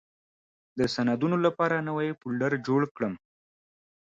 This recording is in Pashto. د سندونو لپاره نوې فولډر جوړه کړم.